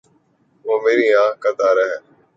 وہ میری آنکھ کا تارا ہے